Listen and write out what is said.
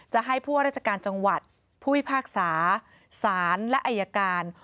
จะให้ผู้ว่าราชการจังหวัดผู้พิพากษาสารและอายการ